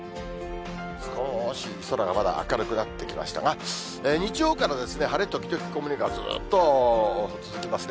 少し空がまだ明るくなってきましたが、日曜から晴れ時々曇りがずっと続きますね。